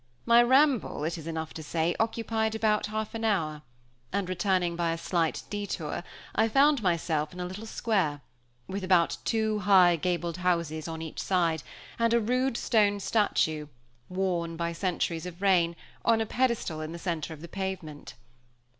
My ramble, it is enough to say, occupied about half an hour, and, returning by a slight détour, I found myself in a little square, with about two high gabled houses on each side, and a rude stone statue, worn by centuries of rain, on a pedestal in the center of the pavement.